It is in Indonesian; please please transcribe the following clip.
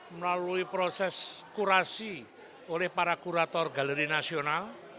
melalui proses kurasi oleh para kurator galeri nasional